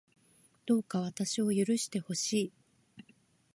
どうか私を許してほしい